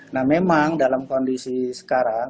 nah memang dalam kondisi sekarang